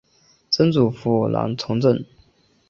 曾祖父兰从政。